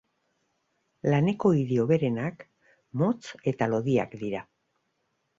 Laneko idi hoberenak motz eta lodiak dira.